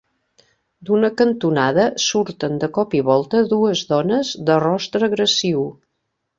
D'una cantonada surten de cop i volta dues dones de rostre agressiu.